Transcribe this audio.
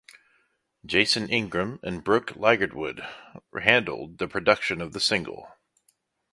Jason Ingram and Brooke Ligertwood handled the production of the single.